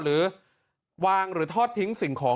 หรือวางหรือทอดทิ้งสิ่งของ